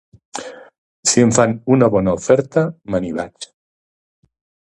Si em fan una bona oferta, me n'hi vaig.